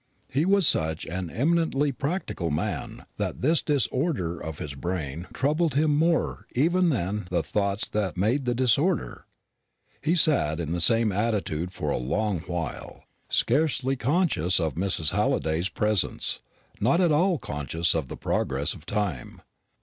He was such an eminently practical man, that this disorder of his brain troubled him more even than the thoughts that made the disorder. He sat in the same attitude for a long while, scarcely conscious of Mrs. Halliday's presence, not at all conscious of the progress of time.